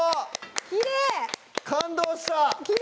きれい感動した！